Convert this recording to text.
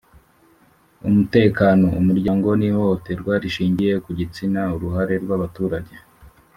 Umutekano Umuryango n ihohoterwa rishingiye ku gitsina Uruhare rw abaturage